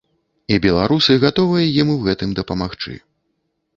І беларусы гатовыя ім у гэтым дапамагчы.